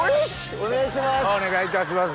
お願いいたします。